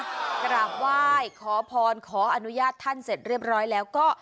กราบไหว้ขอพรขออนุญาตท่านเสร็จเรียบร้อยแล้วก็